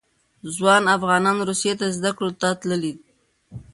ځوان افغانان روسیې ته زده کړو ته تللي.